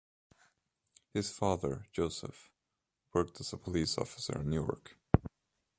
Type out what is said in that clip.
His father, Joseph, worked as a police officer in Newark.